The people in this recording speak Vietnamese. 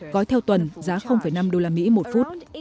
gói theo tuần giá năm đô la mỹ một phút